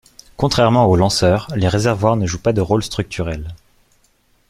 Contrairement aux lanceurs, les réservoirs ne jouent pas de rôle structurel.